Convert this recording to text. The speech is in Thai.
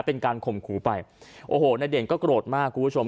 เป็นการข่มขู่ไปโอ้โหนายเด่นก็โกรธมากคุณผู้ชม